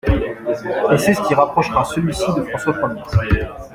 Et c'est ce qui rapprochera celui-ci de François Ier.